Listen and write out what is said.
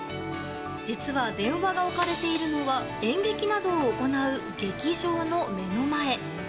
実は電話が置かれているのは演劇などを行う劇場の目の前。